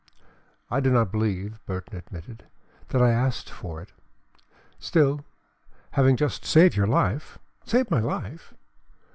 "I do not believe," Burton admitted, "that I asked for it. Still, having just saved your life " "Saved my life!"